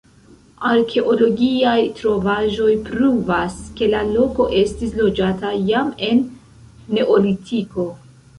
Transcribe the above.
Arkeologiaj trovaĵoj pruvas, ke la loko estis loĝata jam en Neolitiko.